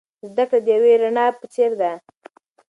زده کړه د یوې رڼا په څیر ده.